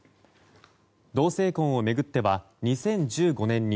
同性婚を巡っては、２０１５年に